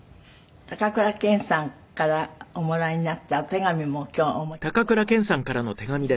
高倉健さんからおもらいになったお手紙も今日お持ちくださったので。